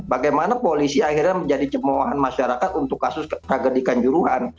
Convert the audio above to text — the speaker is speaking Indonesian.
bagaimana polisi akhirnya menjadi cemohan masyarakat untuk kasus tragedikan juruhan